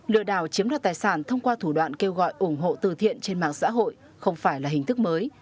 lừa đảo chiếm đoạt tài sản thông qua thủ đoạn kêu gọi ủng hộ từ thiện trên mạng xã hội không phải là hình thức mới